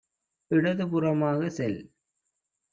இடதுபுறமாக செல்